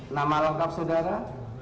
nama lelokap saudara